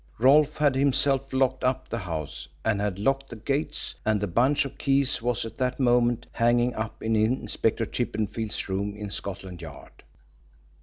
Rolfe had himself locked up the house and had locked the gates, and the bunch of keys was at that moment hanging up in Inspector Chippenfield's room in Scotland Yard.